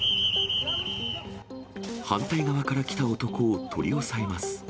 反対側から来た男を取り押さえます。